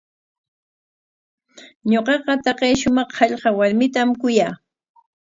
Ñuqaqa taqay shumaq hallqa warmitam kuyaa.